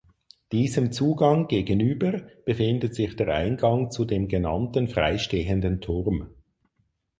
Diesem Zugang gegenüber befindet sich der Eingang zu dem genannten freistehenden Turm.